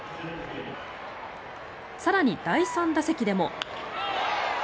更に、第３打席でも。